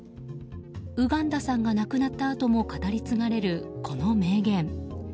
ウガンダさんが亡くなったあとも語り継がれるこの名言。